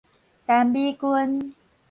陳美君